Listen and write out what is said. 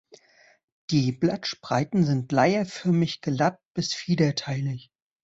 Die Blattspreiten sind leierförmig-gelappt bis fiederteilig.